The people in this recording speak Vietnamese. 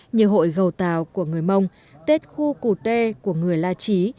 như hội gầu tàu của người mông tết khu củ tê của người la trí